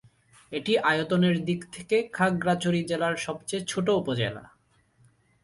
এটি আয়তনের দিক থেকে খাগড়াছড়ি জেলার সবচেয়ে ছোট উপজেলা।